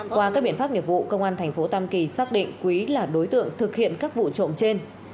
qua các biện pháp nghiệp vụ công an thành phố tam kỳ xác định quý là đối tượng thực hiện các vụ trộm trên